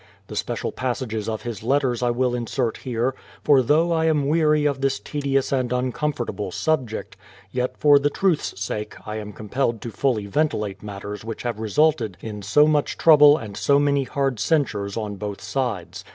The special passages of his letters I will insert here, for though I am weary of this tedious and uncomfortable subject, yet for the truth's sake I am compelled to fully ventilate matters which have resulted in so much trouble and so many hard censures on both sides.